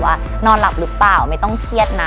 ว่านอนหลับหรือเปล่าไม่ต้องเครียดนะ